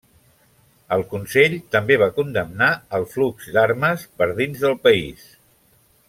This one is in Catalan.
El Consell també va condemnar el flux d'armes per i dins del país.